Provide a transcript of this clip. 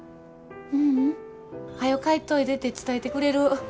はよ帰っといでて伝えてくれる？